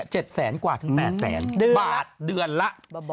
แสนกว่าถึงแปดแสนบาทเดือนละ